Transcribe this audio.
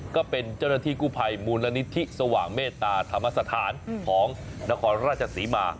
ก็เป็นเจ้าหน้าที่กู้ภัยมูลนิธิสว่างเมตตาธรรมสถานของนครราชศรีมา